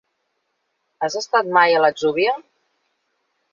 Has estat mai a l'Atzúbia?